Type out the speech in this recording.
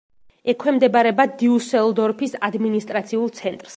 ექვემდებარება დიუსელდორფის ადმინისტრაციულ ცენტრს.